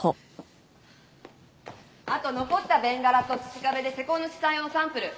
あと残ったベンガラと土壁で施工主さん用のサンプル！